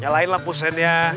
nyalain lampu sennya